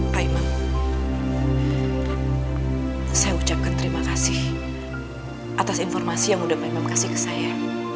pak imam saya ucapkan terima kasih atas informasi yang udah mbak imam kasih ke saya